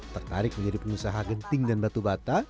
tertarik menjadi pengusaha genting dan batu bata